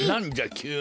きゅうに。